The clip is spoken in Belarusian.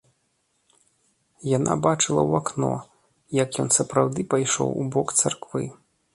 Яна бачыла ў акно, як ён сапраўды пайшоў у бок царквы.